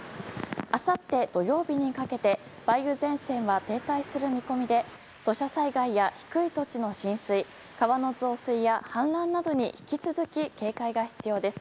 あさって土曜日にかけて梅雨前線は停滞する見込みで土砂災害や低い土地の浸水川の増水や氾濫などに引き続き警戒が必要です。